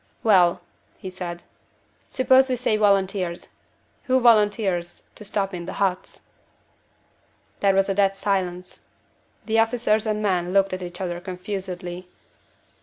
"Well," he said, "suppose we say volunteers. Who volunteers to stop in the huts?" There was a dead silence. The officers and men looked at each other confusedly.